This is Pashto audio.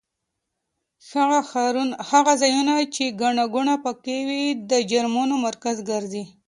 هغه ځایونه چې ګڼه ګوڼه پکې وي د جرمونو مرکز ګرځي.